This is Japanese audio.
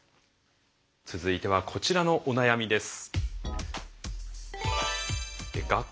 続いてはこちらのお悩みです。